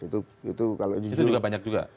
itu juga banyak juga